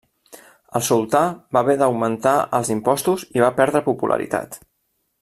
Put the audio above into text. El sultà va haver d'augmentar els impostos i va perdre popularitat.